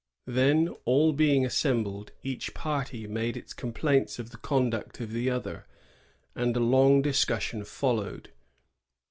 Then, all being assembled, each party made its complaints of the conduct of the other, and a long discussion followed.